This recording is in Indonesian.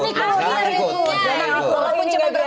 bukan ikut ikut ini gak ada